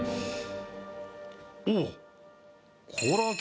おっ。